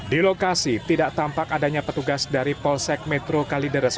di lokasi tidak tampak adanya petugas dari polsek metro kalideres